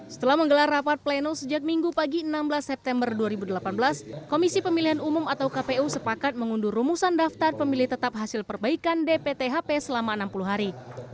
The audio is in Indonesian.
setelah menggelar rapat pleno sejak minggu pagi enam belas september dua ribu delapan belas komisi pemilihan umum atau kpu sepakat mengundur rumusan daftar pemilih tetap hasil perbaikan dpthp selama enam puluh hari